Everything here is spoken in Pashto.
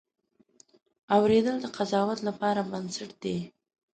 اورېدل د قضاوت لپاره بنسټ دی.